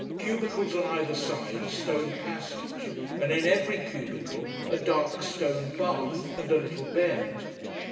Cubicles on either side a stone passage, and in every cubicle a dark stone bath, and a little bed.